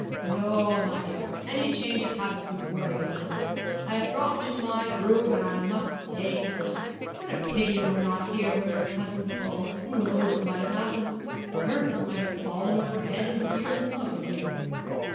'No, my dear; any change of habits would worry me. I have dropped into my groove and I must stay in it. What a pity you were not here when your cousins called! Who knows what might have happened? Vernon might have fallen over head and ears in love with you.'